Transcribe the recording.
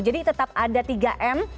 jadi tetap ada tiga m